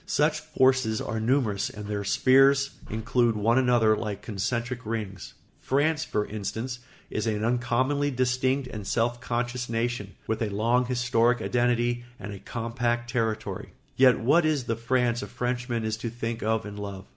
Such forces are numerous and their spheres include one another like concentric rings. France, for instance, is an uncommonly distinct and self conscious nation, with a long historic identity and a compact territory. Yet what is the France a Frenchman is to think of and love?